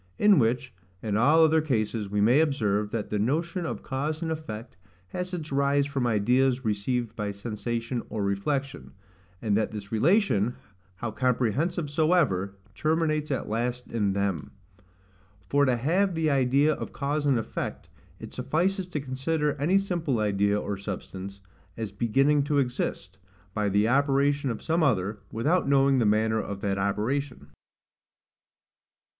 In which, and all other cases, we may observe, that the notion of cause and effect has its rise from ideas received by sensation or reflection; and that this relation, how comprehensive soever, terminates at last in them. For to have the idea of cause and effect, it suffices to consider any simple idea or substance, as beginning to exist, by the operation of some other, without knowing the manner of that operation.